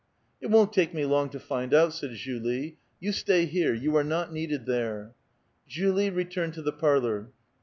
"It won't take me long to find out," said Julie. "You stay here ; you are not needed there." Julie returned to the parlor.